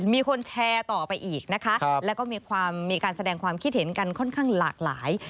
มีคนแชร์ต่อไปอีกนะคะแล้วก็มีการแสดงความคิดเห็นกันค่อนข้างหลากหลาย